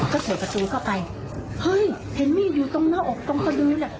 ก็เปิดประตูเข้าไปเฮ้ยเห็นมีดอยู่ตรงหน้าอกตรงกระดือแหละ